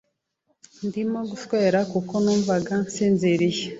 Ndimo guswera kuko numva nsinziriye